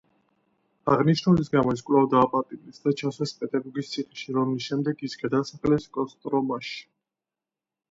აღნიშნულის გამო ის კვლავ დააპატიმრეს და ჩასვეს პეტერბურგის ციხეში, რომლის შემდეგ ის გადაასახლეს კოსტრომაში.